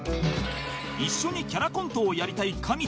一緒にキャラコントをやりたいかみ